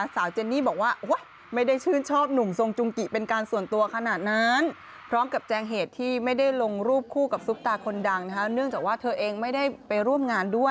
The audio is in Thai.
สาวเจนี่บอกว่าไม่ได้ชื่นชอบหนุ่มสุงจุงกิเป็นการส่วนตัวขนาดนั้น